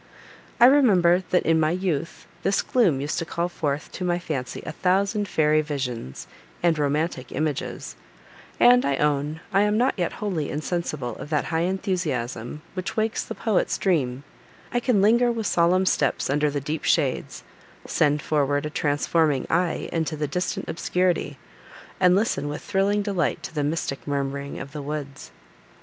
"I remember that in my youth this gloom used to call forth to my fancy a thousand fairy visions, and romantic images; and, I own, I am not yet wholly insensible of that high enthusiasm, which wakes the poet's dream: I can linger, with solemn steps, under the deep shades, send forward a transforming eye into the distant obscurity, and listen with thrilling delight to the mystic murmuring of the woods."